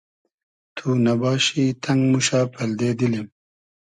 تو نئباشی تئنگ موشۂ پئلدې دیلیم